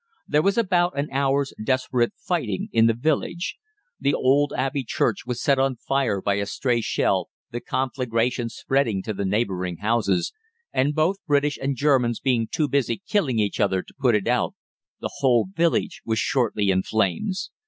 "There was about an hour's desperate fighting in the village. The old Abbey Church was set on fire by a stray shell, the conflagration spreading to the neighbouring houses, and both British and Germans being too busy killing each other to put it out, the whole village was shortly in flames.